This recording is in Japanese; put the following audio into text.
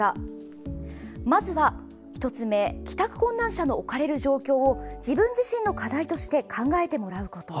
まずは１つ目帰宅困難者の置かれる状況を自分自身の課題として考えてもらうこと。